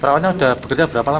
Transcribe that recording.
perawatnya sudah bekerja berapa lama